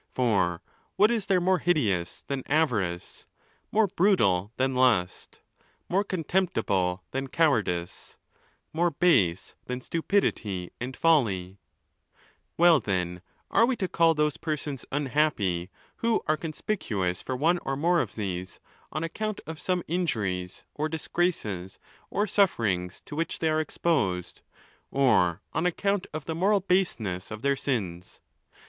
For what is there more hideous than avarice, more brutal than lust, more contemptible than cowardice, more base than stupidity and ON THE LAWS, 491 folly ? Well, then, are we to call those persons unhappy, who are conspicuous for one or more of these, on account of some injuries, or disgraces, or sufferings to which they are exposed, or on account of the moral baseness of their sins?